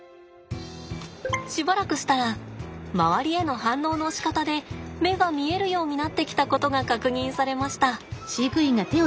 しばらくしたら周りへの反応のしかたで目が見えるようになってきたことが確認されました。